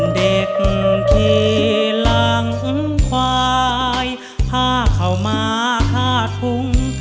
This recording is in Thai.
เด็กขี่หลังควายพาเข้ามา๕ถุง